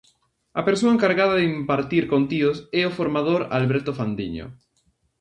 A persoa encargada de impartir contidos é o formador Alberto Fandiño.